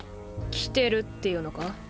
来てるっていうのか？